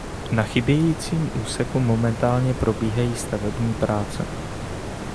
Na chybějícím úseku momentálně probíhají stavební práce.